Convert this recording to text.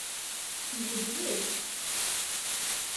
Nbeddel-d.